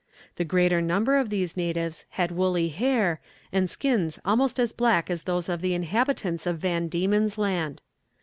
The greater number of these natives had woolly hair, and skins almost as black as those of the inhabitants of Van Diemen's Land.